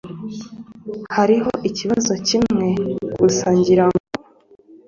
Hariho ikibazo kimwe gusa ngira ngo